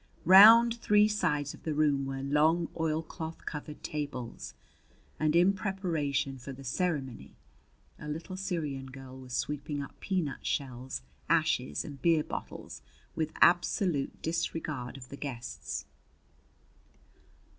Round three sides of the room were long, oil cloth covered tables; and in preparation for the ceremony a little Syrian girl was sweeping up peanut shells, ashes, and beer bottles, with absolute disregard of the guests.